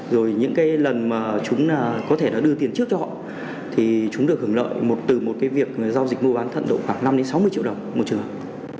rồi những cái lần mà chúng có thể đã đưa tiền trước cho họ thì chúng được hưởng lợi từ một cái việc giao dịch mua bán thận độ khoảng năm đến sáu mươi triệu đồng một trường hợp